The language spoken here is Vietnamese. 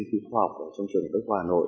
khi khoa học trong trường đức hòa nội